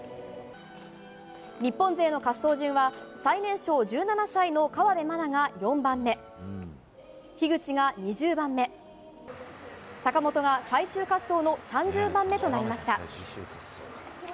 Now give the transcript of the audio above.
日本勢の滑走順は最年少１７歳の河辺愛菜が４番目樋口が２０番目、坂本が最終滑走の３０番目となりました。